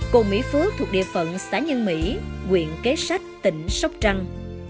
cồn mỹ phước thuộc địa phận xã nhân mỹ quyện kế sách tỉnh sóc trăng